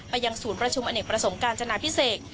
ไปยังสูงประชุมอเนกประสงค์การจันทรายพิเศษ